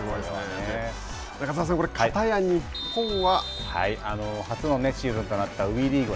中澤さん、かたや日本は初のシーズンとなったＷＥリーグ